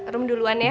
rum duluan ya